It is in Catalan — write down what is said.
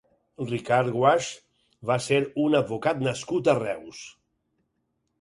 Ricard Guasch va ser un advocat nascut a Reus.